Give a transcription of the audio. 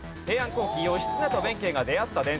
後期義経と弁慶が出会った伝説。